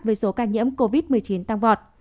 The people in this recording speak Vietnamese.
với số ca nhiễm covid một mươi chín tăng vọt